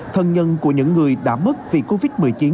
thân nhân của những người đã mất vì covid một mươi chín